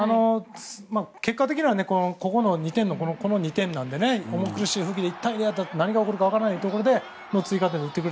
結果的にはここの２点なので重苦しい雰囲気でいったから何が起こるかわからないところで追加点を打った。